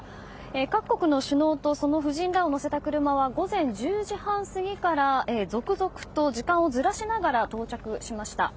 各国の首脳とその夫人らを乗せた車は午前１０時半過ぎから続々と時間をずらしながら到着しました。